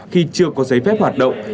khi chưa có giấy phép hoạt động